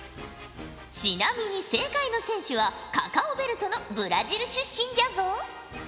ちなみに正解の選手はカカオベルトのブラジル出身じゃぞ。